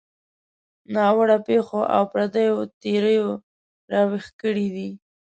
ناوړه پېښو او پردیو تیریو راویښ کړي دي.